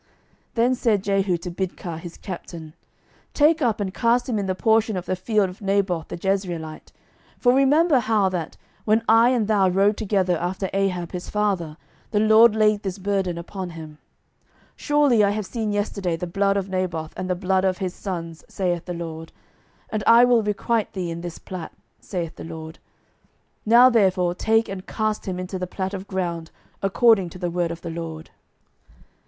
12:009:025 Then said Jehu to Bidkar his captain, Take up, and cast him in the portion of the field of Naboth the Jezreelite: for remember how that, when I and thou rode together after Ahab his father, the LORD laid this burden upon him; 12:009:026 Surely I have seen yesterday the blood of Naboth, and the blood of his sons, saith the LORD; and I will requite thee in this plat, saith the LORD. Now therefore take and cast him into the plat of ground, according to the word of the LORD.